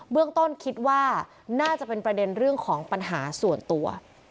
เรื่องต้นคิดว่าน่าจะเป็นประเด็นเรื่องของปัญหาส่วนตัว